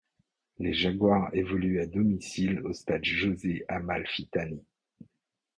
Les Jaguares évoluent à domicile au Stade José Amalfitani.